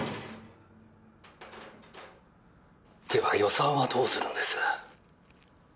では予算はどうするんです？